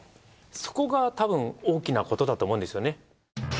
そこがたぶん大きなことだと思うんですよね。